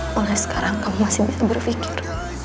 mulai sekarang kamu masih bisa berpikir